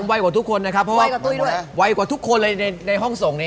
ไวกว่าทุกคนในห้องส่งนี้